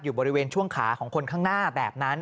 อยู่บริเวณช่วงขาของคนข้างหน้าแบบนั้น